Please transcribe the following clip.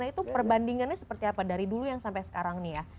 nah itu perbandingannya seperti apa dari dulu yang sampai sekarang nih ya